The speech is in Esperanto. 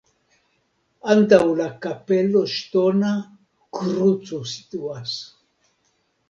Antaŭ la kapelo ŝtona kruco situas.